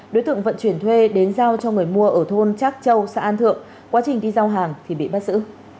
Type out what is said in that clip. đối tượng vận chuyển thuê đến giao cho người mua ở thôn trác châu xã an thượng quá trình đi giao hàng thì bị bắt giữ